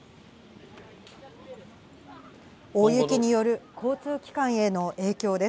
大雪による交通機関への影響です。